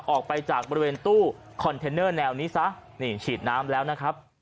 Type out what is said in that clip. ออกไปจากบริเวณตู้แนวนี้ซะนี่ฉีดน้ำแล้วนะครับ